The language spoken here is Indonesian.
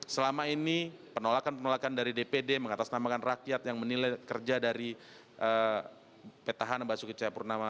selama ini penolakan penolakan dari dpd mengatasnamakan rakyat yang menilai kerja dari petahana basuki cahayapurnama